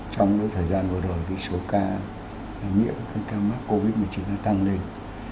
trong thời gian vừa rồi số ca nhiễm ca mắc covid một mươi chín tăng lên